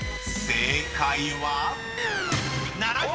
［正解は⁉］